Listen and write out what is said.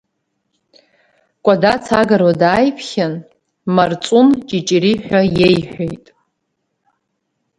Кәадац агыруа дааиԥхьан, марҵун ҷиҷери ҳәа иеиҳәеит.